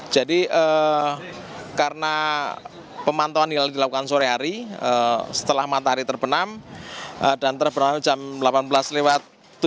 jadi karena pemantauan hilal dilakukan sore hari setelah matahari terbenam dan terbenam jam delapan belas lewat tujuh belas